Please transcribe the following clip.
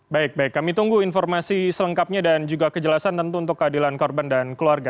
baik baik kami tunggu informasi selengkapnya dan juga kejelasan tentu untuk keadilan korban dan keluarga